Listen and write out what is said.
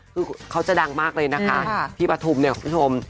คือเขาจะดังมากเลยนะคะพี่ปฐุมเนี่ยคุณผู้ชม